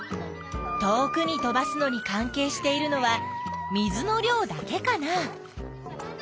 遠くに飛ばすのに関係しているのは水の量だけかな？